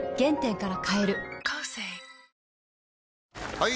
・はい！